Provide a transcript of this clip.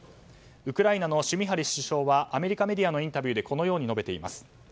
ウクライナのシュミハリ首相はアメリカメディアのインタビューでこのように述べています。